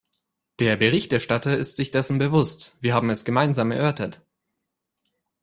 Der Berichterstatter ist sich dessen bewusst, wir haben es gemeinsam erörtert.